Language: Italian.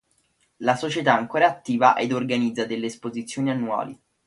La società è ancora attiva ed organizza delle esposizioni annuali.